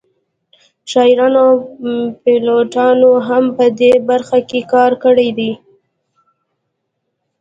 شاعرانو او پیلوټانو هم په دې برخه کې کار کړی دی